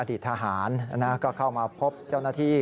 อดีตทหารก็เข้ามาพบเจ้าหน้าที่